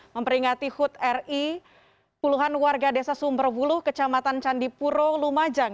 memperingati hud ri puluhan warga desa sumberwulu kecamatan candipuro lumajang